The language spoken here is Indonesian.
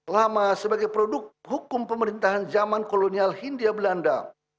lama sebagai produk hukum pemerintahan zaman kolonial hindia belanda